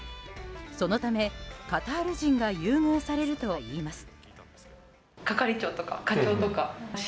そのためカタール人が優遇されるといいます。